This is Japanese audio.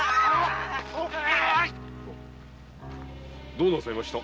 どうなさいました？